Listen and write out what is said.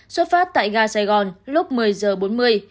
xuất phát tại gà sài gòn lúc một mươi giờ bốn mươi